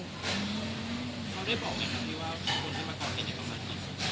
เขาได้บอกไงครับที่ว่า